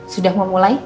sudah mau mulai